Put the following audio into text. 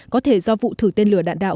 có thể do vụ thử tên lửa đạn đạo